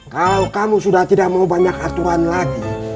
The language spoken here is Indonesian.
kalau kamu sudah tidak mau banyak aturan lagi